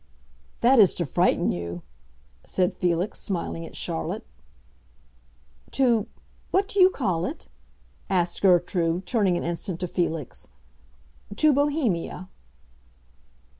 "That is to frighten you," said Felix, smiling at Charlotte. "To—what do you call it?" asked Gertrude, turning an instant to Felix. "To Bohemia."